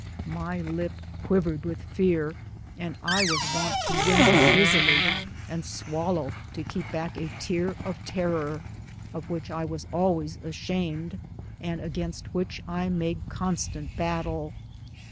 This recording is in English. My lip quivered with fear, and I was wont to wink busily and swallow to keep back a tear of terror, of which I was always ashamed, and against which I made constant battle.